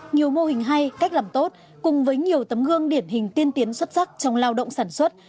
nhiều mô hình hay cách làm tốt cùng với nhiều tấm gương điển hình tiên tiến xuất sắc trong lao động sản xuất